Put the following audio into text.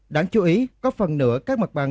đáng chú ý có phần nửa các mặt bằng